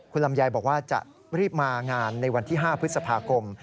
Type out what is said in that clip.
คุณลำไยบอกว่าจะรีบมางานในวันที่๕พฤษภาคม